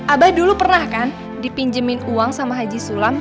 abah dulu pernah kan dipinjemin uang sama haji sulam